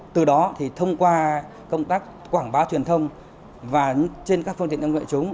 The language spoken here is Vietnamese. từ đó thì thông qua công tác quảng bá truyền thông và trên các phương tiện trong nội trúng